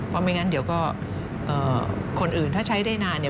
เพราะไม่งั้นเดี๋ยวก็คนอื่นถ้าใช้ได้นานเนี่ย